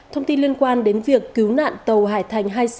thông tin liên quan đến việc cứu nạn tàu hải thành hai mươi sáu